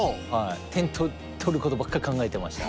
点取ることばっかり考えてました。